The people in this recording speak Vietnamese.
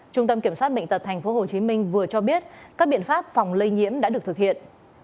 trung tâm kiểm soát bệnh tật tp hcm vừa cho biết các biện pháp phòng lây nhiễm đã được thực hiện